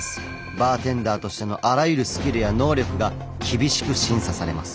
バーテンダーとしてのあらゆるスキルや能力が厳しく審査されます。